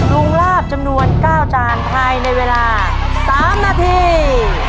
งลาบจำนวน๙จานภายในเวลา๓นาที